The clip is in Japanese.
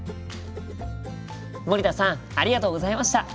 森田さんありがとうございました。